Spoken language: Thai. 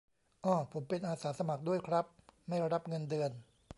อ้อ ผมเป็นอาสาสมัครด้วยครับ ไม่รับเงินเดือน